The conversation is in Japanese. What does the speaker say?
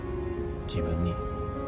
自分に。